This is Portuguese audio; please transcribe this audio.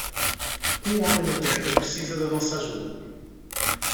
Um homem na terra precisa da nossa ajuda.